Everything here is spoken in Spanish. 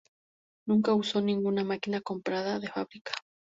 Nunca usó ninguna máquina comprada de fábrica.